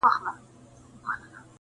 غم دې بيا زما لمن کښې واچوه